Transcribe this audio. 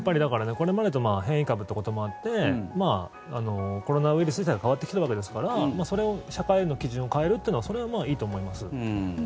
これまでと違う変異株ということもあってコロナウイルス自体が変わってきたわけですからその社会の基準を変えるのはそれはいいと思います。